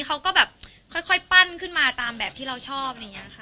เขาก็แบบค่อยปั้นขึ้นมาตามแบบที่เราชอบ